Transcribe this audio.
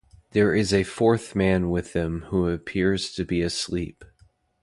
There is a fourth man with them who appears to be asleep.